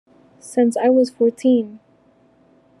Since I was fourteen.